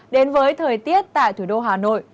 đến với thời tiết tại thủ đô hà nội